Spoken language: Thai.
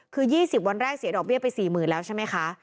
คือ๒๐วันแรกเสียดอกเบี้ยไป๔๐๐๐แล้วใช่ไหมคะ